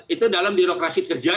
itu dalam birokrasi kerja